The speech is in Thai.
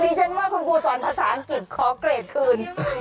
ฉันว่าคุณครูสอนภาษาอังกฤษขอเกรดคืน